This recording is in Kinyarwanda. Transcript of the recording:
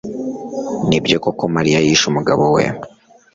Nibyo koko Mariya yishe umugabo we